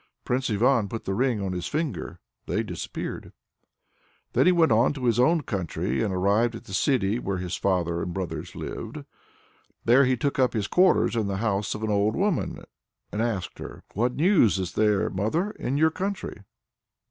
Prince Ivan put the ring on his finger they disappeared. Then he went on to his own country, and arrived at the city in which his father and brothers lived. There he took up his quarters in the house of an old woman, and asked her: "What news is there, mother, in your country?"